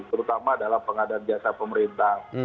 terutama dalam pemerintah